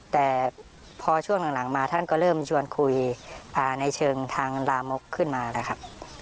แต่พอช่วงหลังมาท่านก็เริ่มชวนคุยพาในเชิงทางลามกขึ้นมานะครับ